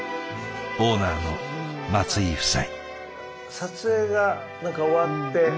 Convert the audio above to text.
オーナーの松井夫妻。